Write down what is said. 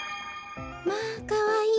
まあかわいい。